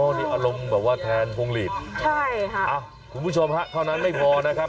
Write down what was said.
อ๋อนี่อารมณ์แบบว่าแทนพงฤษคุณผู้ชมครับเท่านั้นไม่พอนะครับ